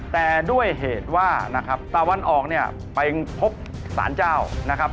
แต่ด้วยเหตุว่านะครับตะวันออกเนี่ยไปพบสารเจ้านะครับ